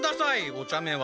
おちゃめは。